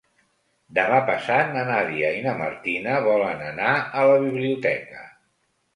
Demà passat na Nàdia i na Martina volen anar a la biblioteca.